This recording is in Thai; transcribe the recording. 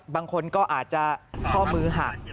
บางคนก็อาจจะข้อมือหัก